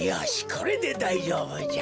これでだいじょうぶじゃ。